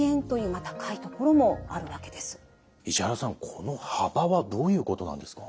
この幅はどういうことなんですか？